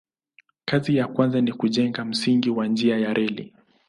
Kazi ya kwanza ni kujenga msingi wa njia ya reli.